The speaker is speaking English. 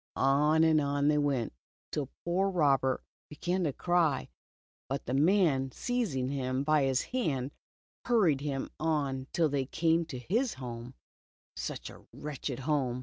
On and on they went, till poor Robert began to cry, but the man seizing him by the hand, hur ried him on till they came to his home — such a wretched home.